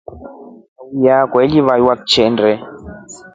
Auye akwa alivaiwa kitendee.